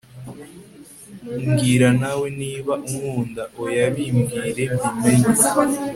mbwira nawe niba unkunda oya bimbwire mbimenye